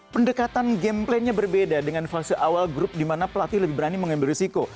pendekatan game plainnya berbeda dengan fase awal grup di mana pelatih lebih berani mengambil risiko